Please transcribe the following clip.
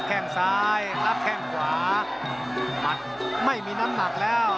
แค่งซ้ายรับแข้งขวาหมัดไม่มีน้ำหนักแล้ว